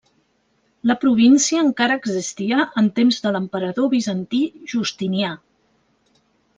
La província encara existia en temps de l'emperador bizantí Justinià.